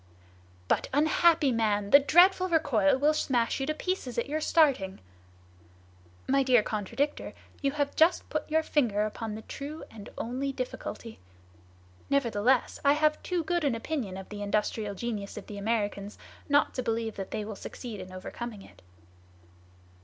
"But, unhappy man, the dreadful recoil will smash you to pieces at your starting." "My dear contradictor, you have just put your finger upon the true and only difficulty; nevertheless, I have too good an opinion of the industrial genius of the Americans not to believe that they will succeed in overcoming it."